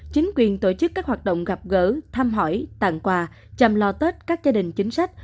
chính quyền tổ chức các hoạt động gặp gỡ thăm hỏi tặng quà chăm lo tết các gia đình chính sách